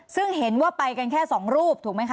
ซึ่งเห็นว่าไปกันแค่สองรูปถูกไหมคะ